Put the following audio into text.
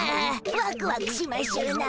ワクワクしましゅな。